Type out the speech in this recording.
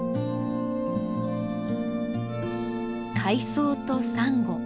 海藻とサンゴ。